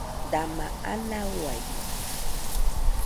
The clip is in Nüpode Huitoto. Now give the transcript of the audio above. Dane ana uaide